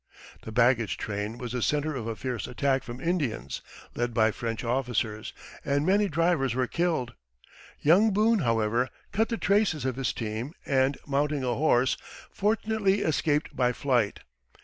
The baggage train was the center of a fierce attack from Indians, led by French officers, and many drivers were killed. Young Boone, however, cut the traces of his team, and mounting a horse, fortunately escaped by flight.